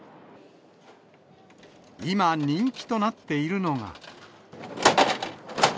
今、人気となっているのが。